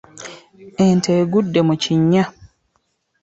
Ente egudde mu kinnya.